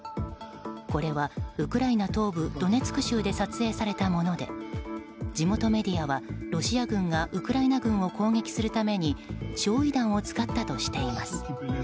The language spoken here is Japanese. これはウクライナ東部ドネツク州で撮影されたもので地元メディアはロシア軍がウクライナ軍を攻撃するために焼夷弾を使ったとしています。